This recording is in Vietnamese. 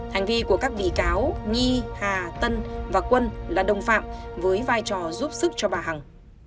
hành vi của các bị cáo nhi hà tân và quân là đồng phạm với vai trò giúp sức cho bà hằng